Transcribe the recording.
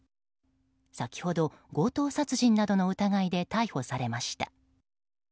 先ほど、強盗殺人などの疑いで逮捕されました。